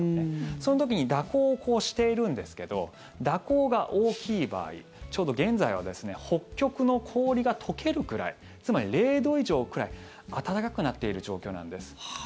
その時に蛇行をしているんですが蛇行が大きい場合ちょうど現在は北極の氷が溶けるぐらいつまり０度以上ぐらい暖かくなっている状況なんです。